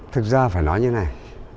thực ra phải nói như này